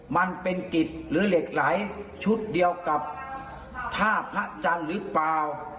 มันเป็นกิจหรือเหล็กไหลชุดเดียวกับท่าพระจันทร์หรือเปล่า